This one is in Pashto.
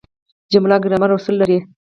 جمله ګرامري اصول لري.